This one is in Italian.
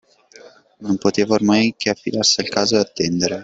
Non poteva, ormai, che affidarsi al caso e attendere.